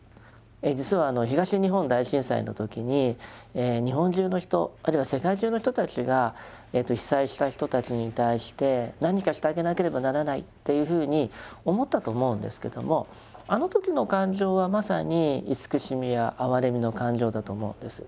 実はあの東日本大震災の時に日本中の人あるいは世界中の人たちが被災した人たちに対して何かしてあげなければならないっていうふうに思ったと思うんですけどもあの時の感情はまさに慈しみや哀れみの感情だと思うんです。